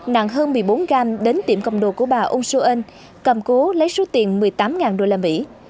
nặng hơn một mươi bốn gram đến tiệm cầm đồ của bà ông xuân cầm cố lấy số tiền một mươi tám đô la mỹ